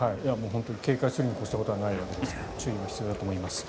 本当に警戒するに越したことはないわけですから注意が必要だと思います。